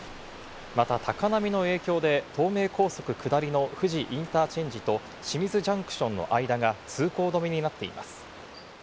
また高波の影響で東名高速下りの富士インターチェンジと清水ジャンクションの間が通行止めになっています。